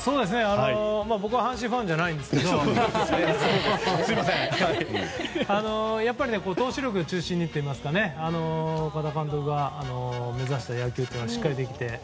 僕は阪神ファンじゃないんですけどやっぱり、投手力を中心にといいますか岡田監督が目指した野球をしっかりできて。